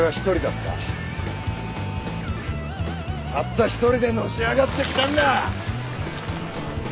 たった一人でのし上がってきたんだ！